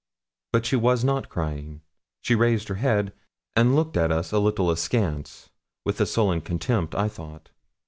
But she was not crying. She raised her head, and looked at us a little askance, with a sullen contempt, I thought.